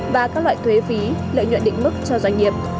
và các loại thuế phí lợi nhuận định mức cho doanh nghiệp